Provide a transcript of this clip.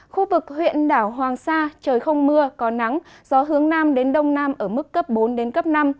khu vực huyện đảo hoàng sa trời không mưa có nắng gió hướng nam đến đông nam ở mức cấp bốn đến cấp năm